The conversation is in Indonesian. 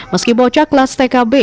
meski bocah kelas tkb